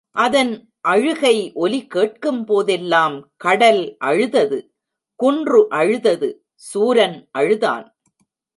அதன் அழுகை ஒலி கேட்கும்போதெல்லாம் கடல் அழுதது, குன்று அழுதது, சூரன் அழுதான்.